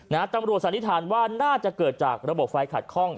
ตำรวจสันนิษฐานว่าน่าจะเกิดจากระบบไฟขัดข้อง